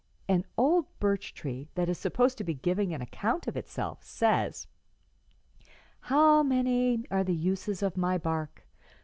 An old birch tree that is supposed to be giving an account of itself says, "'How many are the uses of my bark!